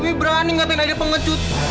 lu berani ngatain aida pengecut